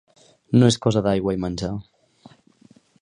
No és cosa d’aigua i menjar.